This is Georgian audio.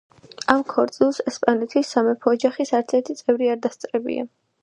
ამ ქორწილს ესპანეთის სამეფო ოჯახის არცერთი წევრი არ დასწრებია.